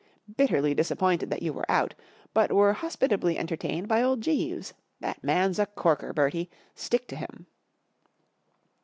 Bitterly disappointed that you w'erc out. but were hospitably enter¬ tained by old Jeeves. That man's a corker, Bertie. Stick to him."